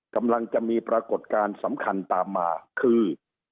กำลังจะมีปรากฏการณ์สำคัญตามมาคือ